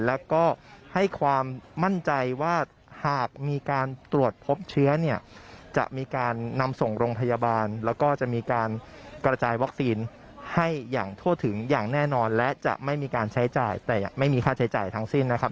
แล้วก็ให้ความมั่นใจว่าหากมีการตรวจพบเชื้อเนี่ยจะมีการนำส่งโรงพยาบาลแล้วก็จะมีการกระจายวัคซีนให้อย่างทั่วถึงอย่างแน่นอนและจะไม่มีการใช้จ่ายแต่ไม่มีค่าใช้จ่ายทั้งสิ้นนะครับ